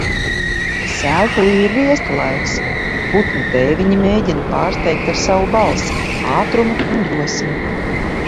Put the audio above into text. Sēlpilī ir riesta laiks. Putnu tēviņi mēģina pārsteigt ar savu balsi, ātrumu un drosmi.